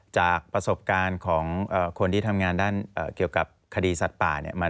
จากประสบการณ์ของคนที่ทำงานด้านเกี่ยวกับคดีสัตว์ป่าเนี่ย